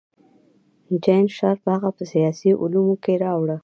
جین شارپ هغه په سیاسي علومو کې راوړه.